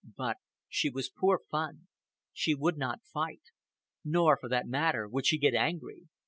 But she was poor fun. She would not fight. Nor, for that matter, would she get angry.